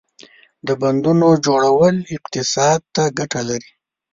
• د بندونو جوړول اقتصاد ته ګټه لري.